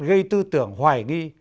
gây tư tưởng hoài nghi